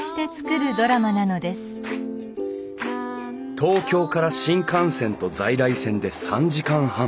東京から新幹線と在来線で３時間半。